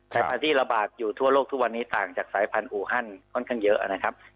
พันธุ์ระบาดอยู่ทั่วโลกทุกวันนี้ต่างจากสายพันธุฮันค่อนข้างเยอะนะครับ